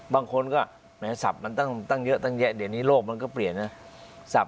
บางคนก็แหมสับมันตั้งเยอะตั้งแยะเดี๋ยวนี้โลกมันก็เปลี่ยนนะ